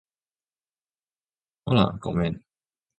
ほら、ごめん